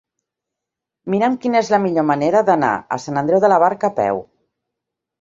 Mira'm quina és la millor manera d'anar a Sant Andreu de la Barca a peu.